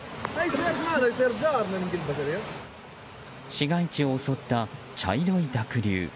市街地を襲った茶色い濁流。